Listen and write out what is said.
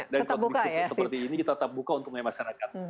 dan kalau bisnis seperti ini kita tetap buka untuk masyarakat